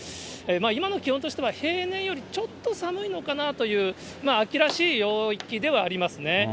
今の気温としては、平年よりちょっと寒いのかなという、秋らしい陽気ではありますね。